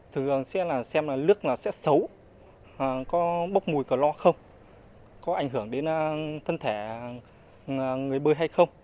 thường sẽ xem lước sẽ xấu có bốc mùi cờ lo không có ảnh hưởng đến thân thể người bơi hay không